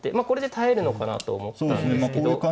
これで耐えるのかなと思ったんですけど。